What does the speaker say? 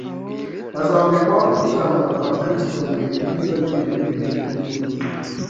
bazambikwa gukiranuka kwa Kristo mu bihe byiza n’ibihe biruhije nk’ibyo.